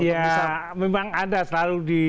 ya memang ada selalu di